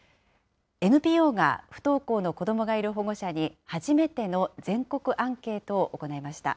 ＮＰＯが、不登校の子どもがいる保護者に、初めての全国アンケートを行いました。